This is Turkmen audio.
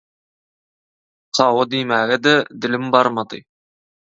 «Hawa» diýmäge-de dilim barmady.